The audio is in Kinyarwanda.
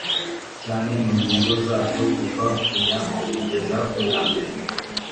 cyane mu ngingo zaryo kuva kuya kugeza kuyambere